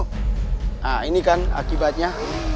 nah ini kan akibatnya